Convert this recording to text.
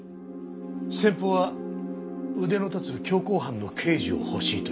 先方は腕の立つ強行犯の刑事を欲しいと言ってきてる。